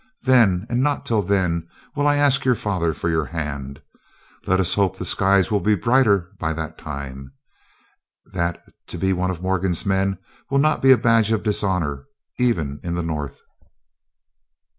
Then, and not till then, will I ask your father for your hand. Let us hope the skies will be brighter by that time—that to be one of Morgan's men will not be a badge of dishonor, even in the North."